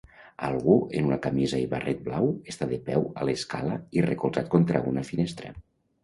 Algú en una camisa i barret blau està de peu a l'escala i recolzat contra una finestra.